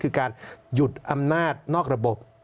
คือการหยุดอำนาจนอกระบบ